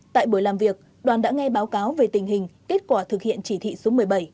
tại buổi làm việc đoàn đã nghe báo cáo về tình hình kết quả thực hiện chỉ thị số một mươi bảy